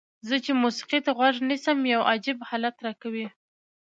زه چې موسیقۍ ته غوږ نیسم یو عجیب حالت راکوي.